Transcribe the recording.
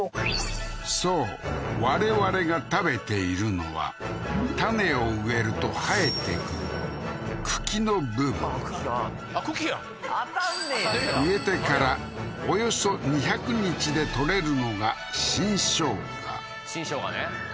そう我々が食べているのは種を植えると生えてくる茎の部分茎やん当たんねや植えてからおよそ２００日で採れるのが新生姜新生姜ね